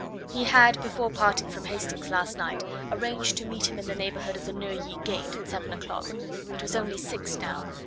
He had before parting from Hastings last night arranged to meet him in the neighbourhood of the Neuilly Gate at seven o'clock; it was only six now.